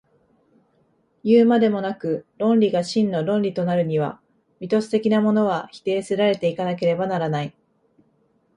いうまでもなく、論理が真の論理となるには、ミトス的なものは否定せられて行かなければならない。